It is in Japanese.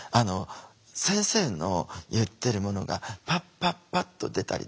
先生の言ってるものがパッパッパッと出たりとか。